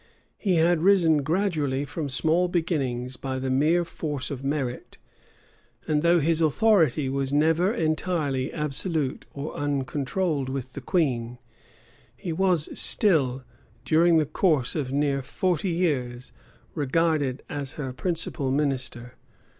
He rad risen gradually from small beginnings by the mere force of merit; and though his authority was never entirely absolute or uncontrolled with the queen, he was still, during the course of near forty years, regarded as her principal minister.